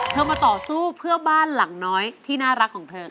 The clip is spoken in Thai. มาต่อสู้เพื่อบ้านหลังน้อยที่น่ารักของเธอ